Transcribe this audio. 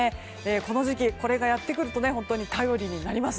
この時期これがやってくると頼りになります。